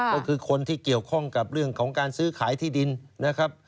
ก็คือคนที่เกี่ยวข้องกับเรื่องของการซื้อขายที่ดินนะครับ